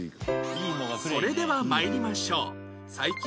それでは参りましょう